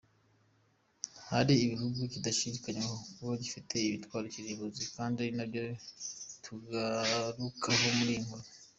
Hari ibihugu bidashidikanywaho kuba bifite ibitwaro kirimbuzi, ari nabyo tugarukaho muri iyi nkuru.